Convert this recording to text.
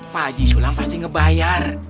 pak haji sulam pasti ngebayar